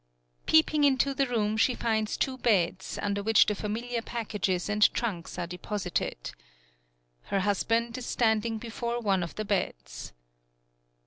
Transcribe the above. Peeping into the room she finds two beds, under which the familiar packages and trunks are deposited. Her hus band is standing before one of the beds.